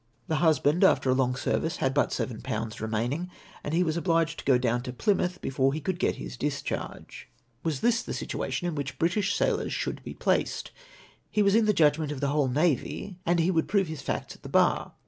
The husband after a long service had but 17/. remaining; and he was obliged to go down to Plymouth before he could get liis discharge. Was this the . MY RErLY. 309 situation in which British sailors sliould be phiced ? He was in the judgment of the whole navy, and he would prove his facts at the bar.